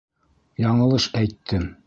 Яңылыш әйттем.